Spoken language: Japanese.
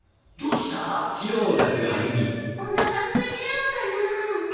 おなか空いてるのかなぁ。